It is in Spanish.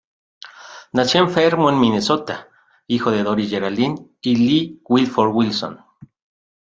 Nació en Fairmont, Minnesota, hijo de Doris Geraldine y Lee Wilford Willson.